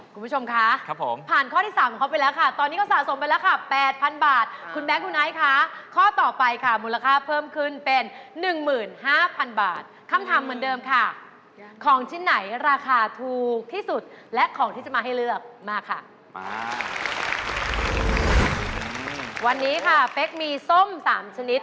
ครับผมครับผมครับผมครับผมครับผมครับผมครับผมครับผมครับผมครับผมครับผมครับผมครับผมครับผมครับผมครับผมครับผมครับผมครับผมครับผมครับผมครับผมครับผมครับผมครับผมครับผมครับผมครับผมครับผมครับผมครับผมครับผมครับผมครับผมครับผมครับผมครับผม